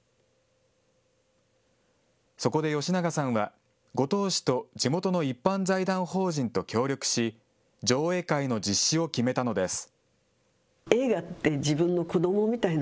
そこで吉永さんは、五島市と地元の一般財団法人と協力し、上映会の実施を決めたのです。